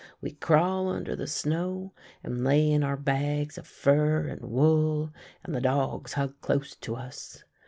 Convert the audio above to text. We crawl imder the snow and lay in our bags of fur and wool, and the dogs hug close to us.